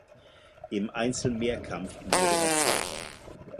Im Einzelmehrkampf wurde er Zweiter.